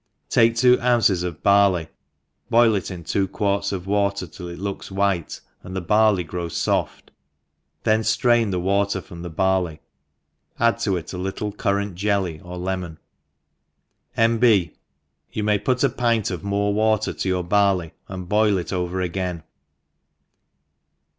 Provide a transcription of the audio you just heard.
TAKE two ounces of barley, boil it in two quarts of water till it looks white, and the barley grovi^ ibft, then drain the water from the bar fey, add to it a little currant jelly or lemon. — JV. B. Yon may put a pint inore water to your ^ barley, and boil it over again.